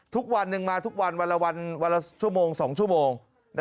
ทุกวันหนึ่งมาทุกวันวันละวันวันละชั่วโมง๒ชั่วโมง